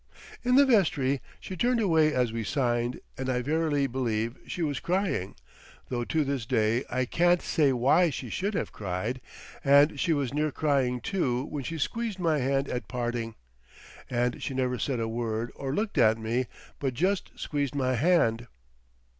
In the vestry she turned away as we signed, and I verily believe she was crying, though to this day I can't say why she should have cried, and she was near crying too when she squeezed my hand at parting—and she never said a word or looked at me, but just squeezed my hand....